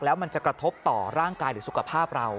แล้วมันจะกระทบต่อร่างกายหรือสุขภาพเรา